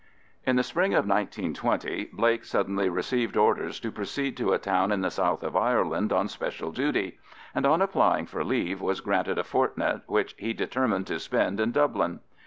In the spring of 1920 Blake suddenly received orders to proceed to a town in the south of Ireland on special duty, and on applying for leave was granted a fortnight, which he determined to spend in Dublin.